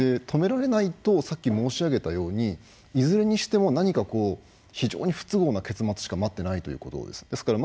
止められないとさっき申し上げたようにいずれにしても何か非常に不都合な結末しか待っていないということです。